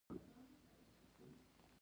زما په نظر په دې نږدې راتلونکي کې به ختمه شي.